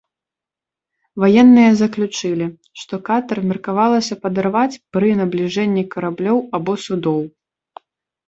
Ваенныя заключылі, што катэр меркавалася падарваць пры набліжэнні караблёў або судоў.